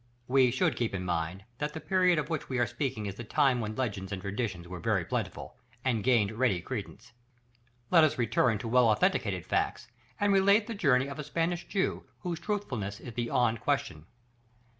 We should keep in mind that the period of which we are speaking is the time when legends and traditions were very plentiful, and gained ready credence. Let us return to well authenticated facts, and relate the journey of a Spanish Jew, whose truthfulness is beyond question.